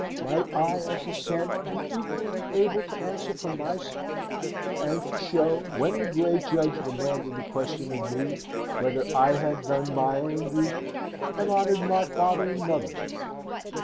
Might I, as a son, be equally able to answer for myself, and to show, when the Great Judge demanded the question of me, whether I had done my own duty, and honoured my father and mother!